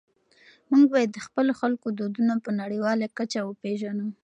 موږ باید د خپلو خلکو دودونه په نړيواله کچه وپېژنو.